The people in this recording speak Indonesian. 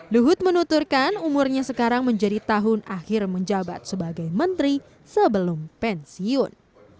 luhut menuturkan umurnya sekarang menjadi tahun akhir menjabat sebagai menteri sebelum pensiun